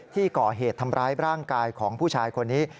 ที่ก่อเหตุทำร้ายร่างกายของผู้ชายคนนี้